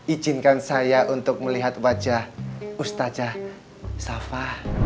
izinkan saya untuk melihat wajah ustazah sapa